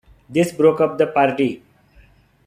This broke up the party.